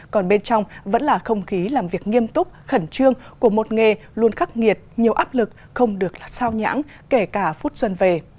còn bên trong vẫn là không khí làm việc nghiêm túc khẩn trương của một nghề luôn khắc nghiệt nhiều áp lực không được sao nhãn kể cả phút xuân về